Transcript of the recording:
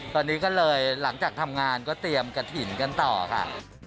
ตอนนี้ก็เลยหลังจากทำงานก็เตรียมกระถิ่นกันต่อค่ะ